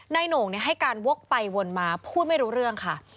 โหน่งให้การวกไปวนมาพูดไม่รู้เรื่องค่ะ